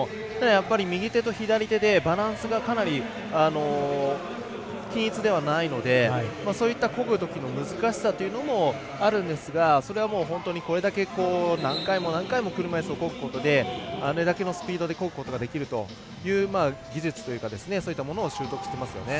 右手と左手でバランスが均一ではないのでこぐときの難しさというのもあるんですがそれはもう本当にこれだけ何回も何回も車いすをこぐことであれだけのスピードでこぐことができるという技術というかそういったものを習得してますよね。